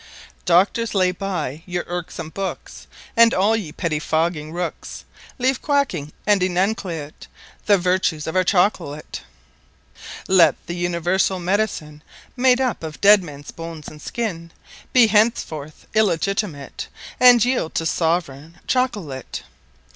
Doctors lay by your Irksome Books And all ye Petty Fogging Rookes Leave Quacking; and Enucleate The vertues of our Chocolate. Let th' Universall Medicine (Made up of Dead mens Bones and Skin,) Be henceforth Illegitimate, And yeild to Soveraigne Chocolate.